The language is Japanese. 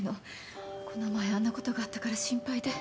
この前あんなことがあったから心配で。